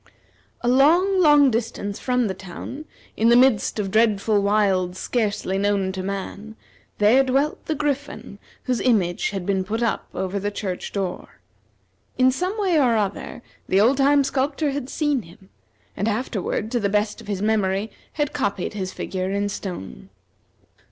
A long, long distance from the town, in the midst of dreadful wilds scarcely known to man, there dwelt the Griffin whose image had been put up over the church door. In some way or other, the old time sculptor had seen him, and afterward, to the best of his memory, had copied his figure in stone.